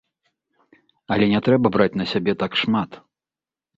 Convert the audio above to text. Але не трэба браць на сябе так шмат.